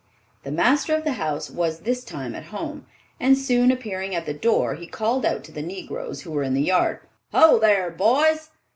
The master of the house was this time at home, and soon appearing at the door, he called out to the negroes who were in the yard, "Ho, thar, boys!